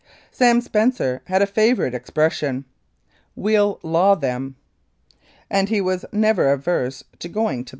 Sam Spencer had a favourite expression, "We'll law 'em!" and he was never averse to going to law.